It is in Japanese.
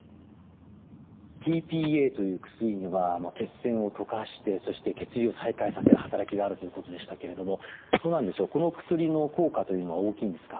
ｔ−ＰＡという薬には血栓を溶かしてそして血流を再開させる働きがあるということでしたけれどもどうなんでしょうこの薬の効果というのは大きいんですか？